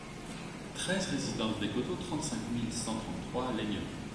treize résidence des Côteaux, trente-cinq mille cent trente-trois Laignelet